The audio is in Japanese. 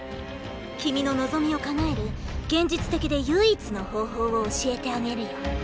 君の望みを叶える現実的で唯一の方法を教えてあげるよ。